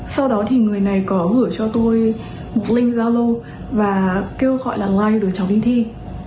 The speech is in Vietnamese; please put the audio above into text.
sau đó thì người này có gửi cho tôi một link zalo và kêu gọi là like đối chóng vinh thi